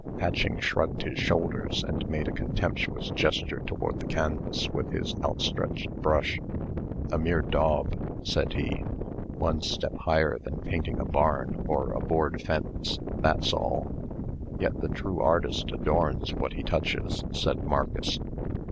Patching shrugged his shoulders, and made a contemptuous gesture toward the canvas with his outstretched brush. "A mere daub," said he. "One step higher than painting a barn or a board fence that's all." "Yet the true artist adorns what he touches," said Marcus.